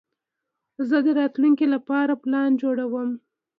زه د راتلونکي لپاره پلان جوړوم.